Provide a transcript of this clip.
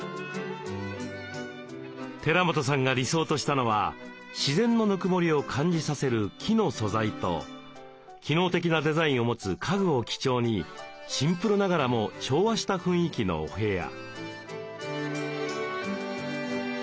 寺本さんが理想としたのは自然のぬくもりを感じさせる木の素材と機能的なデザインを持つ家具を基調にシンプルながらも調和した雰囲気のお部屋。